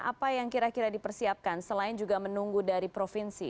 apa yang kira kira dipersiapkan selain juga menunggu dari provinsi